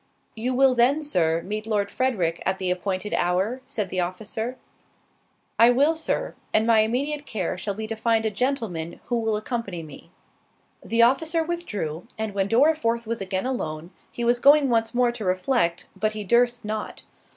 "You will then, Sir, meet Lord Frederick at the appointed hour?" said the officer. "I will, Sir; and my immediate care shall be to find a gentleman who will accompany me." The officer withdrew, and when Dorriforth was again alone, he was going once more to reflect, but he durst not.